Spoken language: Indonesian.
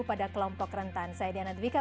pada kelompok rentan saya diana dwi ka